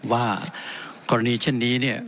ว่ากรณีเช่นนี้เนี่ย